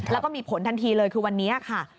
แล้วก็มีผลทันทีเลยคือวันนี้ค่ะ